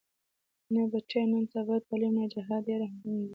نه بچيه نن سبا د تعليم نه جهاد ډېر اهم دې.